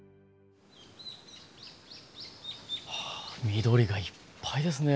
はあ緑がいっぱいですね。